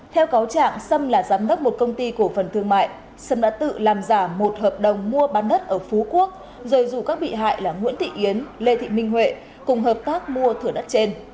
theo cáo trạng sâm là giám đốc một công ty cổ phần thương mại sâm đã tự làm giả một hợp đồng mua bán đất ở phú quốc rồi rủ các bị hại là nguyễn thị yến lê thị minh huệ cùng hợp tác mua thửa đất trên